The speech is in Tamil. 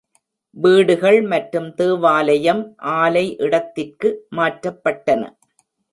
வீடுகள் மற்றும் தேவாலயம் ஆலை இடத்திற்கு மாற்றப்பட்டன.